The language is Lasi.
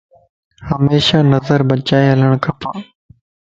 ھميشا نظر بچائي ھلڻ کپ